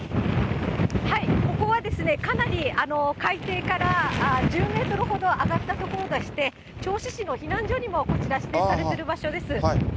ここはかなり海底から１０メートルほど上がった所でして、銚子市の避難所にも、こちら指定されている場所です。